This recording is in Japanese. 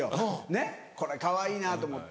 ねっこれかわいいなと思って。